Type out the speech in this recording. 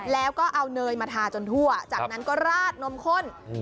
แล้วก็เอาเนยมาทาจนทั่วจากนั้นก็ราดนมข้น